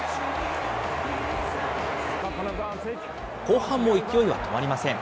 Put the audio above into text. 後半も勢いは止まりません。